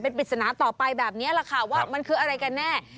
เป็นปริศนาต่อไปแบบนี้แหละค่ะว่ามันคืออะไรกันแน่